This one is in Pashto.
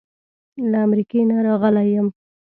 له امریکې نه راغلی یم.